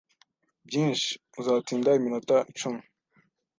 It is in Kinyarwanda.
Byinshi, uzatinda iminota icumi